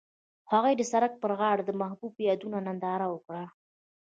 هغوی د سړک پر غاړه د محبوب یادونه ننداره وکړه.